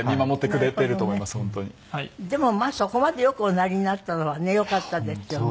でもまあそこまで良くおなりになったのはねよかったですよね。